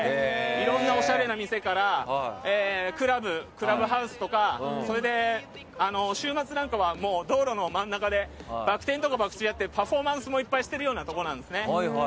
いろんなおしゃれな店からクラブハウスとか週末は道路の真ん中でバク天とかバク宙をやってパフォーマンスもいっぱいしてるようなところなんですね。